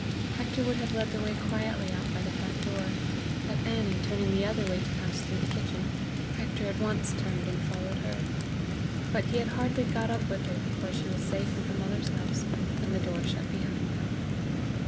Hector would have led the way quietly out by the front door; but Annie turning the other way to pass through the kitchen, Hector at once turned and followed her. But he had hardly got up with her before she was safe in her mother's house, and the door shut behind them.